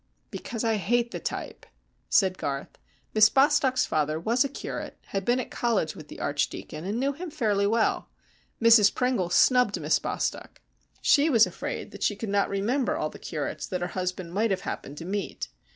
"Because I hate the type," said Garth. "Miss Bostock's father was a curate, had been at college with the Archdeacon, and knew him fairly well. Mrs Pringle snubbed Miss Bostock. She was afraid she could not remember all the curates that her husband might have happened to meet.